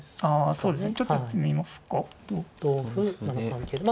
そうですね。